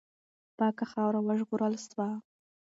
پاکه خاوره وژغورل سوه.